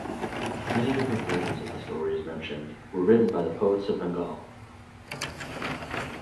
Many different versions of the stories mentioned were written by the poets of Bengal.